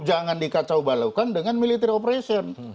jangan dikacau balaukan dengan military operation